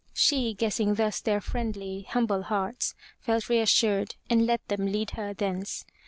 She, guessing thus their friendly, humble hearts, felt reassured and let them lead her thence.